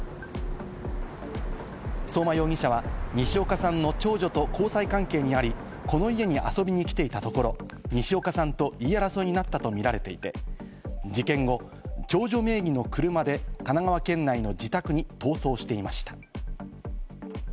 相馬容疑者は西岡さんの長女と交際関係にあり、この家に遊びに来ていたところ、西岡さんと言い争いになったとみられていて、事件後、長女名義の車で神奈川県内の自宅に逃走していました。